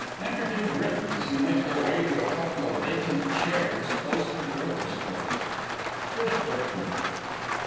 _ Enter TWO BRITONS, who make their way to a couple of vacant chairs close to the orchestra. FIRST BRITON.